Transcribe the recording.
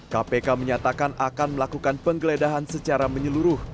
kpk menyatakan akan melakukan penggeledahan secara menyeluruh